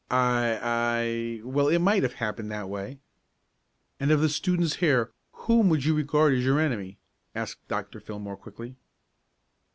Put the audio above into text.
"I I, well, it might have happened that way." "And of the students here, whom would you regard as your enemy?" asked Dr. Fillmore quickly.